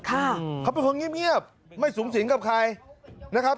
เขาเป็นคนเงียบเงียบไม่สูงสิงกับใครนะครับ